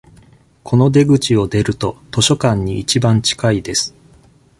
この出口を出ると、図書館に一番近いです。